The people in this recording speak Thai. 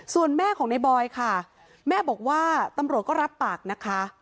ส่วนแม่ของในบอยค่ะแม่บอกว่าตำรวจก็รับปากนะคะ